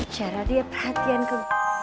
cara dia perhatian ke